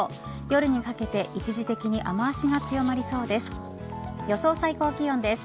夜にかけて一時的に雨脚が強まりそうです。